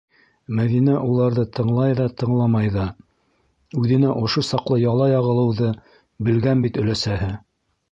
Мәҙинә уларҙы тыңлай ҙа, тыңламай ҙа: үҙенә ошо саҡлы яла яғылыуҙы белгән бит өләсәһе!